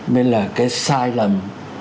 nên là cái sai lầm